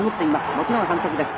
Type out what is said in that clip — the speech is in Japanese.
もちろん反則です。